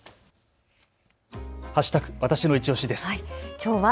わたしのいちオシです。